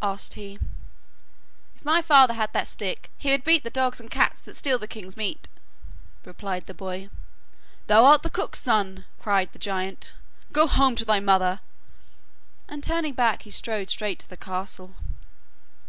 asked he. 'If my father had that stick, he would beat the dogs and cats that steal the king's meat,' replied the boy. 'Thou art the cook's son!' cried the giant. 'Go home to thy mother'; and turning his back he strode straight to the castle.